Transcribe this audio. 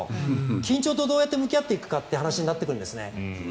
緊張とどう向き合っていくかという話になってくるんですね。